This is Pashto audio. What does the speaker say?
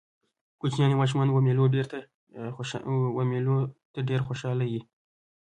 کوچنيان يا ماشومان و مېلو ډېر ته ډېر خوشحاله يي.